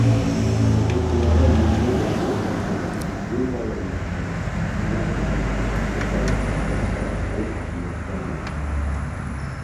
Уҡыусыларҙа милли ғорурлыҡ тәрбиәләүҙә, һүҙ байлығын арттырыуҙа, һөйләм телмәрен үҫтереүҙә әкиәттәр ҙур әһәмиәткә эйә.